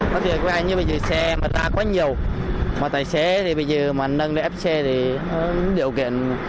có thể là như bây giờ xe mà ta có nhiều mà tài xế thì bây giờ mà nâng lên fc thì điều kiện